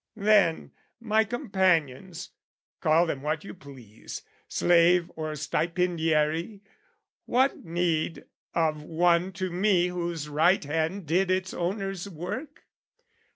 Then, my companions, call them what you please, Slave or stipendiary, what need of one To me whose right hand did its owner's work?